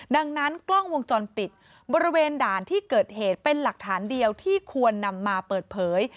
ดังนั้นกล้องวงจรปิดบริเวณด่านที่เกิดเหตุเป็นหลักฐานเดียวที่ควรนำมาเปิดเผย